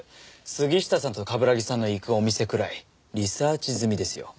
杉下さんと冠城さんの行くお店くらいリサーチ済みですよ。